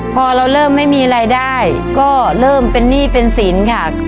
พอเราเริ่มไม่มีรายได้ก็เริ่มเป็นหนี้เป็นสินค่ะ